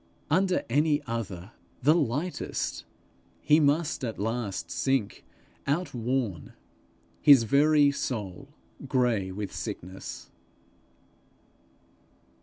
Under any other, the lightest, he must at last sink outworn, his very soul gray with sickness!